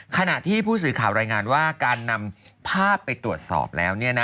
ขณะที่ผู้สื่อข่าวรายงานว่าการนำภาพไปตรวจสอบแล้ว